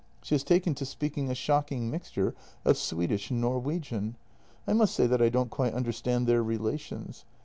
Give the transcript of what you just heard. She has taken to speaking a shocking mixture of Swedish and Norwegian. I must say that I don't quite understand their relations.